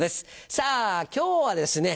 さぁ今日はですね